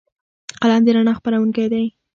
قلم د رڼا خپروونکی دی